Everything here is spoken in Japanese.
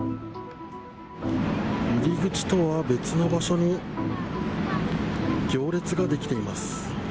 入り口とは別の場所に行列が出来ています。